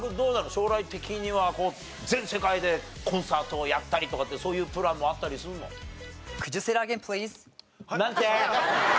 将来的には全世界でコンサートをやったりとかってそういうプランもあったりするの？なんて？